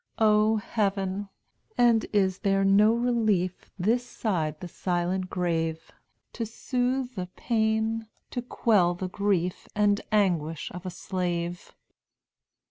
"O Heaven! and is there no relief This side the silent grave, To soothe the pain, to quell the grief And anguish of a slave?